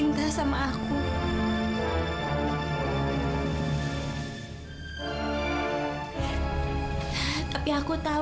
hanya sampai dia tahu